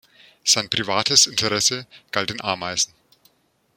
Sein privates Interesse galt den Ameisen.